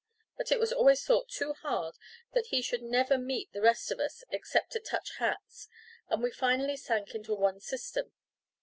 But it was always thought too hard that he should never meet the rest of us, except to touch hats, and we finally sank into one system.